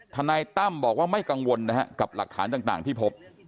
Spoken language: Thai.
นายตั้มบอกว่าไม่กังวลนะฮะกับหลักฐานต่างที่พบ